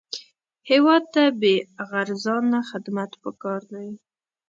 هېواد ته بېغرضانه خدمت پکار دی